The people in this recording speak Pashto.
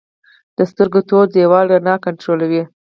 د سترګو تور دیوال رڼا کنټرولوي